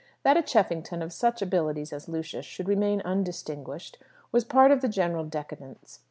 That a Cheffington of such abilities as Lucius should remain undistinguished was part of the general decadence.